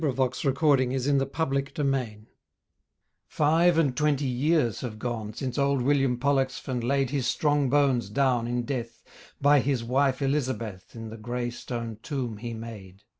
IN MEMORY OF ALFRED POLLEXFEN Five and twenty years have gone Since old William Pollexfen Laid his strong bones down in death By his wife Elizabeth In the grey stone tomb he made.